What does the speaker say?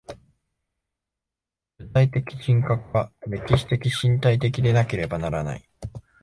具体的人格は歴史的身体的でなければならない。